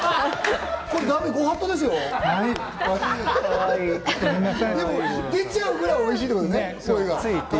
声が出ちゃうぐらいおいしいと。